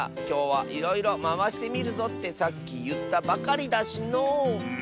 きょうはいろいろまわしてみるぞってさっきいったばかりだしのう。